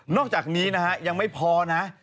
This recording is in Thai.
นอกจากนี้ยังไม่พอนะ